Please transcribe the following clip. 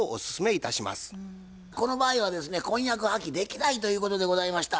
この場合はですね婚約破棄できないということでございました。